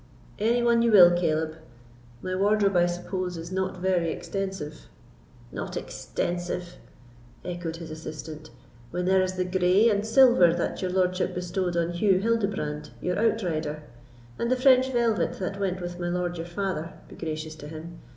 "Any one you will, Caleb; my wardrobe, I suppose, is not very extensive." "Not extensive!" echoed his assistant; "when there is the grey and silver that your lordship bestowed on Hew Hildebrand, your outrider; and the French velvet that went with my lord your father—be gracious to him!